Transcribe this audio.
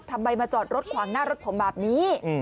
ทำไมมาจอดรถขวางหน้ารถผมแบบนี้